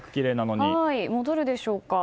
戻るでしょうか。